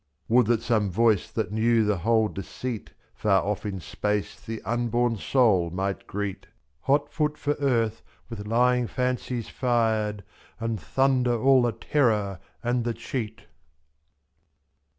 Would that some voice that knew the whole deceit^ Far off in space the unborn soul might greet, /4.j.Hot foot for earth, with lying fancies fired. And thunder all the terror and the cheat.